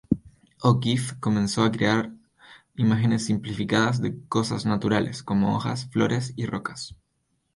O'Keeffe comenzó a crear imágenes simplificadas de cosas naturales, como hojas, flores y rocas.